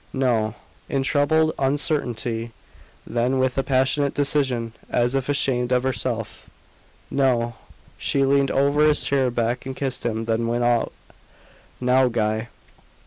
"No," in troubled uncertainty then with a passionate decision, as if ashamed of herself "No!" She leaned over his chair back and kissed him then went out. "Now Guy."